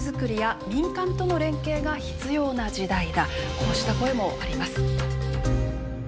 こうした声もあります。